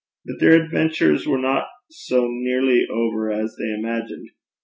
But their adventures were not so nearly over as they imagined.